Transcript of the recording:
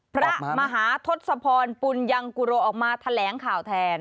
พระมหาทศพรปุญยังกุโรออกมาแถลงข่าวแทน